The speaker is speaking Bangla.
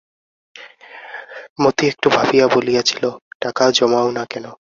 মতি একটু ভাবিয়া বলিয়াছিল, টাকা জমাও না কেন?